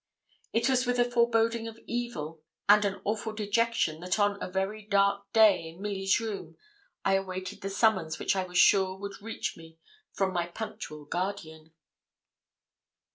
It was with a foreboding of evil and an awful dejection that on a very dark day, in Milly's room, I awaited the summons which I was sure would reach me from my punctual guardian.